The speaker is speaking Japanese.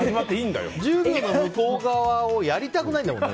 １０秒の向こう側をやりたくないんだもんね。